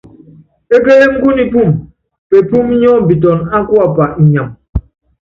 Ékélém kú nipúum, pepúúmi nyɔ́mbiton á kuapa inyam.